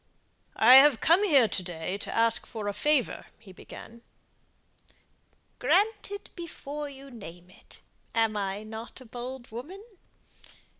"I've come here to day to ask a favour," he began. "Granted before you name it. Am not I a bold woman?"